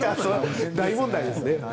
大問題ですね。